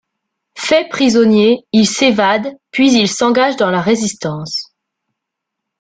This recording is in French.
Fait prisonnier, il s'évade, puis il s'engage dans la Résistance.